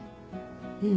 うん。